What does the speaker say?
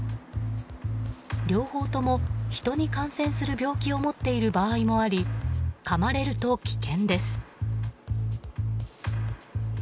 両方とも人に感染する病気を持っている場合もありかまれると危険です。